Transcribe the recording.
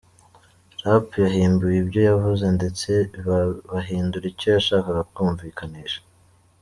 Rapp yahimbiwe ibyo yavuze ndetse bahindura icyo yashakaga kumvikanisha.